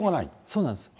そうなんですよ。